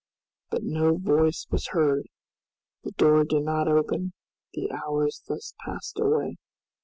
But no voice was heard, the door did not open. The hours thus passed away.